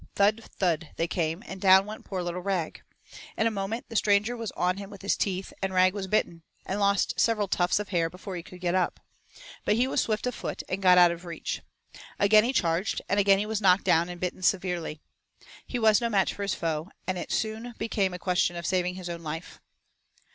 Thud, thud they came, and down went poor little Rag. In a moment the stranger was on him with his teeth and Rag was bitten, and lost several tufts of hair before he could get up. But he was swift of foot and got out of reach. Again he charged and again he was knocked down and bitten severely. He was no match for his foe, and it soon became a question of saving his own life.